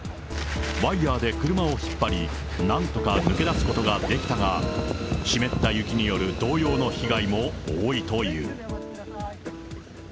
ワイヤーで車を引っ張り、なんとか抜け出すことができたが、湿った雪による同様の被害も多いという。